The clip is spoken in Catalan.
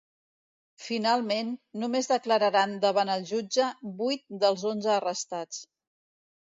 Finalment només declararan davant el jutge vuit dels onze arrestats.